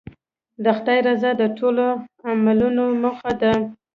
د خدای رضا د ټولو عملونو موخه ده.